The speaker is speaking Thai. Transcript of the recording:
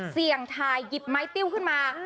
เสี่ยงทายหยิบไม้ติ้วขึ้นมา